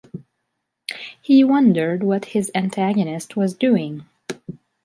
He wondered what his antagonist was doing.